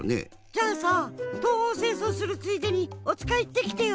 じゃあさ東奔西走するついでにおつかいいってきてよ。